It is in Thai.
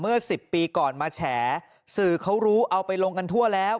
เมื่อ๑๐ปีก่อนมาแฉสื่อเขารู้เอาไปลงกันทั่วแล้ว